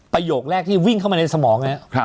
ประโยคแรกวิ่งเข้าในสมอง